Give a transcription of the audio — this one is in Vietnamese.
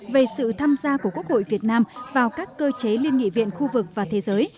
về sự tham gia của quốc hội việt nam vào các cơ chế liên nghị viện khu vực và thế giới